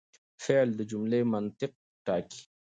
فعل د جملې منطق ټاکي.